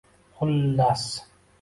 Xullas